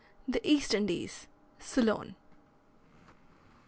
THE EAST INDIES CEYLON.